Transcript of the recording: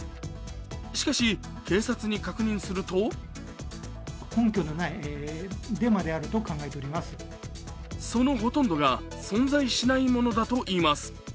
しかし、警察に確認するとそのほとんどが存在しないものだといいます。